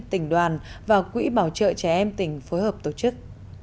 tỉnh đoàn và quỹ bảo trợ trẻ em tỉnh phối hợp tổ chức